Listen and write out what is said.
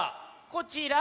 こちら！